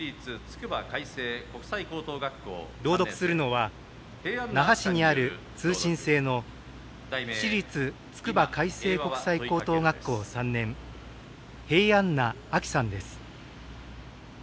朗読するのは、那覇市にある通信制の私立つくば開成国際高等学校３年平安名秋さんです。